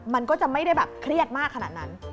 มันก็จะไม่ได้แบบเครียดมากขนาดนั้น